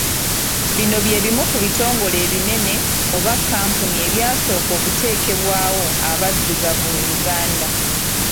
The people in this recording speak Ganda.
Bino bye bimu ku bitongole ebinene oba kkampuni ebyasooka okuteekebwawo abaddugavu mu Uganda